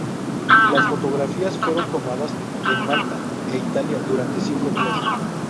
Las fotografías fueron tomadas en Malta e Italia durante cinco días.